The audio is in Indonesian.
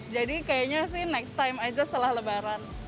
jadi kayaknya sih next time aja setelah lebaran